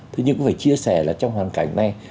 thế nhưng cũng phải chia sẻ là trong hoàn cảnh này